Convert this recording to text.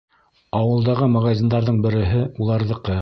Ауылдағы магазиндарҙың береһе — уларҙыҡы.